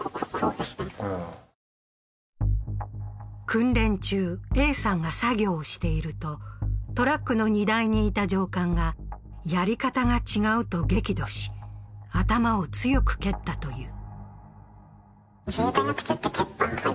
訓練中、Ａさんが作業をしていると、トラックの荷台にいた上官がやり方が違うと激怒し頭を強く蹴ったという。